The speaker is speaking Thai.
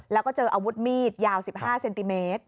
แล้วก็เจออาวุธมีดยาว๑๕เซนติเมตร